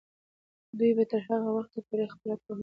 دوی به تر هغه وخته پورې خپله پوهه زیاتوي.